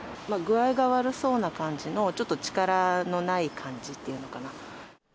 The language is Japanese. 具合が悪そうな感じの、ちょっと力のない感じっていうのかな。